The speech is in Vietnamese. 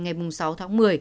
ngày sáu tháng một mươi